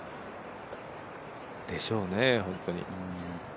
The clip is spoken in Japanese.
でしょうね、本当に。